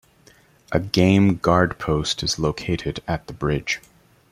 A game guard post is located at the bridge.